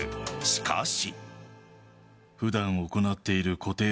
しかし。